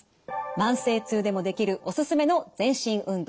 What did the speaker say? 慢性痛でもできるおすすめの全身運動